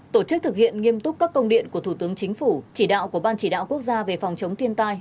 tổ chức thực hiện nghiêm túc các công điện của thủ tướng chính phủ chỉ đạo của ban chỉ đạo quốc gia về phòng chống thiên tai